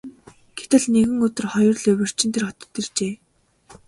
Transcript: Гэтэл нэгэн өдөр хоёр луйварчин тэр хотод иржээ.